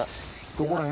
どこら辺？